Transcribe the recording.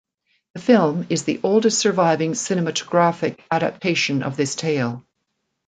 The film is the oldest surviving cinematographic adaptation of this tale.